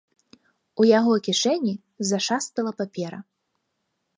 У яго кішэні зашастала папера.